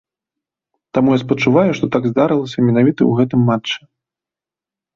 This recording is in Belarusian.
Таму я спачуваю, што так здарылася менавіта ў гэтым матчы.